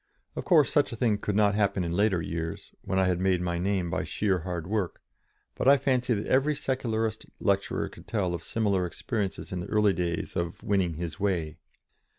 Of course such a thing could not happen in later years, when I had made my name by sheer hard work, but I fancy that every Secularist lecturer could tell of similar experiences in the early days of "winning his way."